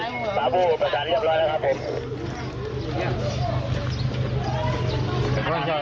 แล้วมันกำลังกลับไปแล้วมันกำลังกลับไป